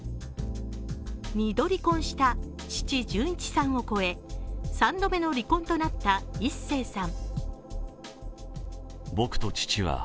２度離婚した父・純一さんを超え３度目の離婚となった壱成さん。